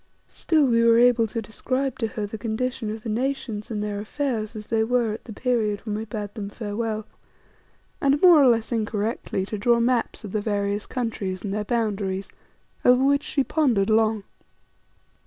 Still we were able to describe to her the condition of the nations and their affairs as they were at the period when we bade them farewell, and, more or less incorrectly, to draw maps of the various countries and their boundaries, over which she pondered long.